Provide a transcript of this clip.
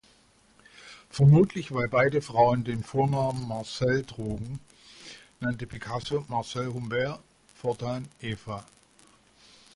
Vermutlich weil beide Frauen den Vornamen "Marcelle" trugen, nannte Picasso Marcelle Humbert fortan "Eva".